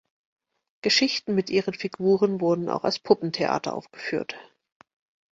Geschichten mit ihren Figuren wurden auch als Puppentheater aufgeführt.